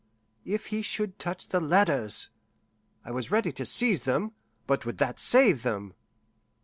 If he should touch the letters! I was ready to seize them but would that save them?